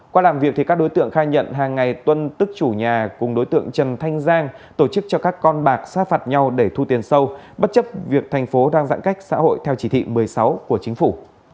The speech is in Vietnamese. qua làm việc các đối tượng khai nhận hàng ngày tuân tức chủ nhà cùng đối tượng trần thanh giang tổ chức cho các con bạc sát phạt nhau để thu tiền sâu bất chấp việc thành phố đang giãn cách xã hội theo chỉ thị một mươi sáu của chính phủ